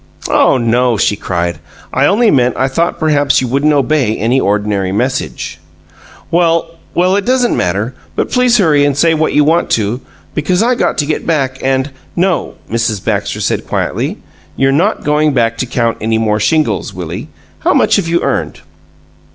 "Oh NO!" she cried. "I only meant I thought perhaps you wouldn't obey any ordinary message " "Well, well, it doesn't matter, but please hurry and say what you want to, because I got to get back and " "No," Mrs. Baxter said, quietly, "you're not going back to count any more shingles, Willie. How much have you earned?"